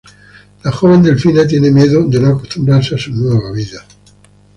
La joven delfina tiene miedo de no acostumbrarse a su nueva vida.